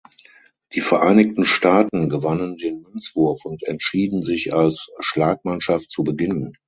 Die Vereinigten Staaten gewannen den Münzwurf und entschieden sich als Schlagmannschaft zu beginnen.